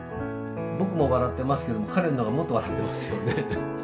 僕も笑ってますけども彼の方はもっと笑ってますよね。